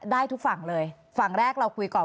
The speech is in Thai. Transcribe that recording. ได้ทุกฝั่งเลยฝั่งแรกเราคุยก่อน